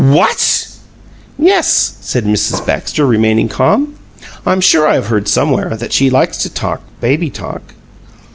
"WHAT!" "Yes," said Mrs. Baxter, remaining calm; "I'm sure I've heard somewhere that she likes to talk 'baby talk.'"